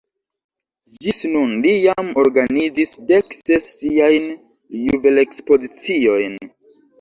Ĝis nun li jam organizis dek ses siajn juvelekspoziciojn.